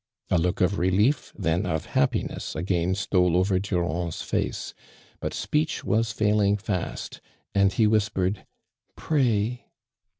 A look of relief, then of happiness again stole over Durand's face, but speech was failing fast, and he whispered, " pray."